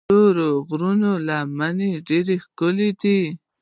د تورو غرونو لمنې ډېرې ښکلي دي.